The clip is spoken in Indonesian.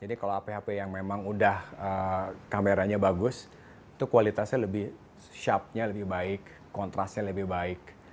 jadi kalau aplikasi yang sudah kamera bagus kualitasnya lebih sharp kontrasnya lebih baik